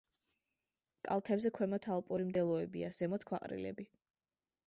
კალთებზე ქვემოთ ალპური მდელოებია, ზემოთ ქვაყრილები.